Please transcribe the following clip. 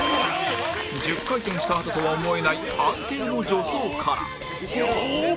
回転したあととは思えない安定の助走からよーっ！